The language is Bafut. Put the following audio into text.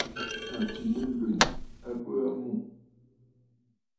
Àtì nɨlwèn a bə aa mû.